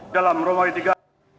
dalam rumah ketiga